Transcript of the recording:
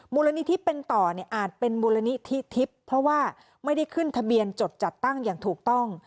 มูลนิธิเป็นต่อเนี่ยอาจเป็นมูลนิธิทิพย์เพราะว่าไม่ได้ขึ้นทะเบียนจดจัดตั้งอย่างถูกต้อง